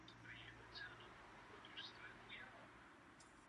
To je neoddiskutovatelné.